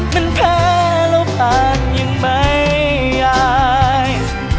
มันแพ้แล้วผ่านยังไม่อาย